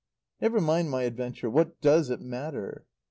"Never mind my adventure. What does it matter?"